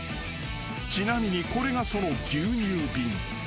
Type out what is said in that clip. ［ちなみにこれがその牛乳瓶］